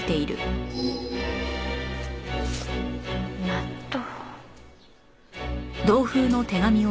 納豆！